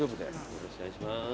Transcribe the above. よろしくお願いします。